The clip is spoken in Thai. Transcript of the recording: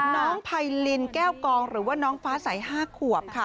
น้องไพรินแก้วกองหรือว่าน้องฟ้าใส๕ขวบค่ะ